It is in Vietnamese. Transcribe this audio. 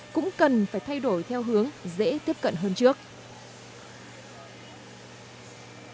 cũng cần phải thay đổi theo hướng dễ tiếp cận hơn trước